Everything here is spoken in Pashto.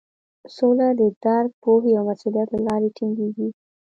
سوله د درک، پوهې او مسولیت له لارې ټینګیږي.